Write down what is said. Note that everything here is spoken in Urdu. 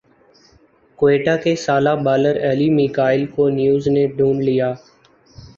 کوئٹہ کے سالہ بالر علی میکائل کو نیو زنے ڈھونڈ لیا